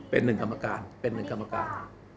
เป็นหนึ่งกรรมการ